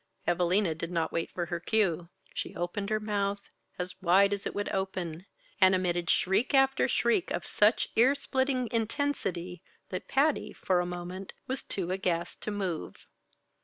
Evalina did not wait for her cue. She opened her mouth as wide as it would open, and emitted shriek after shriek of such ear splitting intensity, that Patty, for a moment, was too aghast to move.